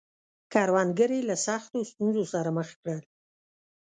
کروندګر یې له سختو ستونزو سره مخ کړل.